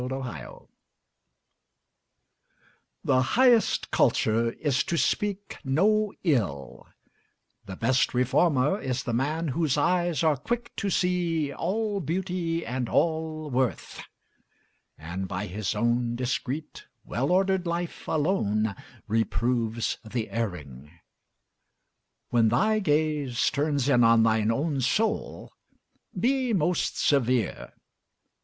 TRUE CULTURE The highest culture is to speak no ill, The best reformer is the man whose eyes Are quick to see all beauty and all worth; And by his own discreet, well ordered life, Alone reproves the erring. When thy gaze Turns in on thine own soul, be most severe.